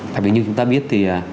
thật ra như chúng ta biết thì